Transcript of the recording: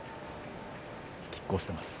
きっ抗しています。